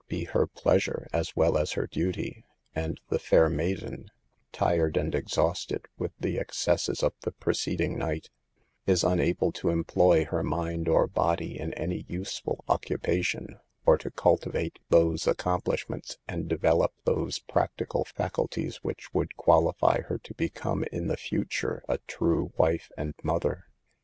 55 be her pleasure, as well as her duty ; and the fair maiden, tired and exhausted with the excesses of the preceding night, is unable to employ her mind or body in any useful occupa tion, or to cultivate those accomplishments and develop those practical faculties which would qualify her to become in the future a true wife and mother.